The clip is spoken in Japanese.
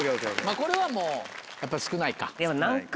これはもうやっぱり少ないか。